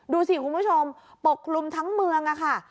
ดูสิคุณผู้ชมปกคลุมทั้งเมืองค่ะ